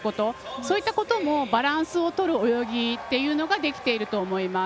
そういったこともバランスを取れる泳ぎができていると思います。